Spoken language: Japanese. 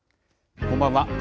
こんばんは。